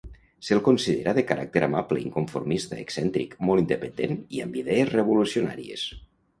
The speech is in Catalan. Se'l considera de caràcter amable, inconformista, excèntric, molt independent i amb idees revolucionàries.